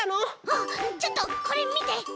あっちょっとこれみて！